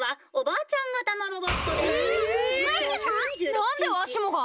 なんでわしもが！？